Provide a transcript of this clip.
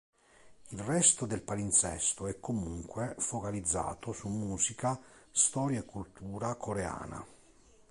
Il resto del palinsesto è comunque focalizzato su musica, storia e cultura coreana.